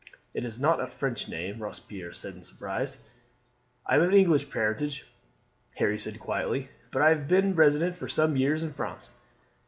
"It is not a French name," Robespierre said in surprise. "I am of English parentage," Harry said quietly, "but have been resident for some years in France.